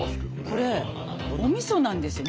これお味噌なんですよ。